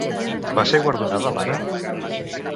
Va ser guardonada l'Anna?